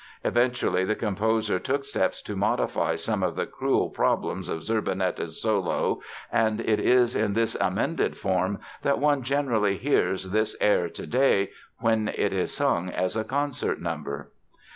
Eventually, the composer took steps to modify some of the cruel problems of Zerbinetta's solo and it is in this amended form that one generally hears this air today, when it is sung as a concert number.